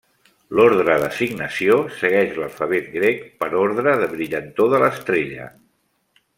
L'ordre d'assignació segueix l'alfabet grec per ordre de brillantor de l'estrella.